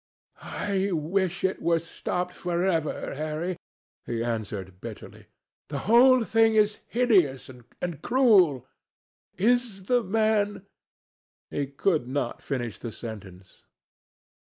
"I wish it were stopped for ever, Harry," he answered bitterly. "The whole thing is hideous and cruel. Is the man ...?" He could not finish the sentence.